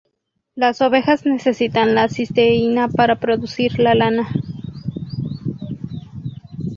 Las ovejas necesitan la cisteína para producir la lana.